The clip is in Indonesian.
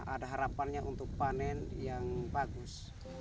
ada harapannya untuk panen yang bagus